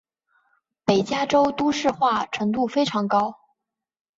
北加州都市化程度非常高。